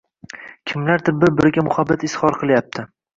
Kimlardir bir-biriga muhabbat izhor qilyapti